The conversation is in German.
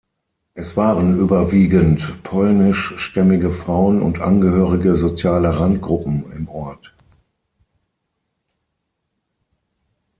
Es waren überwiegend polnischstämmige Frauen und Angehörige sozialer Randgruppen im Ort.